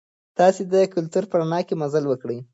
تاسي د کلتور په رڼا کې مزل وکړئ.